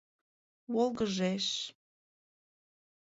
— Волгыжеш.